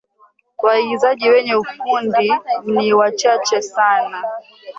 waigizaji wenye ufundi ni wachache sana